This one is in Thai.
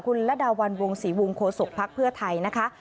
คุณระดาวันวงศรีวงโคศกภักดิ์เพื่อไทยนะคะ